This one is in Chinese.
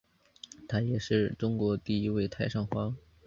他是中国第一位太上皇。